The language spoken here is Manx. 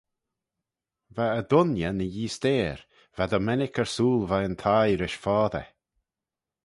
Va e dooinney ny eeasteyr, va dy mennick ersooyl veih'n thie rish foddey.